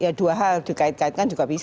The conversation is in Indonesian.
ya dua hal dikait kaitkan juga bisa